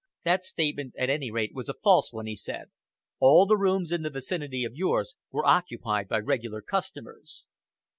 "That statement, at any rate, was a false one," he said. "All the rooms in the vicinity of yours were occupied by regular customers."